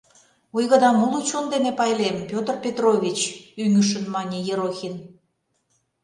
— Ойгыдам уло чон дене пайлем, Петр Петрович, — ӱҥышын мане Ерохин.